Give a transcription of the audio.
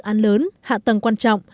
các dự án lớn hạ tầng quan trọng